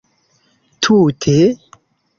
Tute?